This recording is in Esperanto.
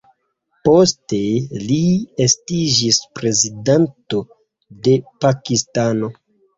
Poste li estiĝis Prezidento de Pakistano.